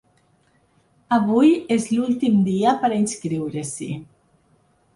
Avui és l’últim dia per a inscriure-s’hi.